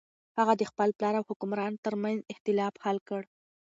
هغه د خپل پلار او حکمران تر منځ اختلاف حل کړ.